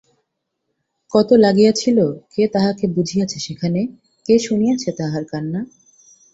কত লাগিয়াছিল, কে তাহাকে বুঝিয়াছে সেখানে, কে শুনিয়াছে তাহার কান্না?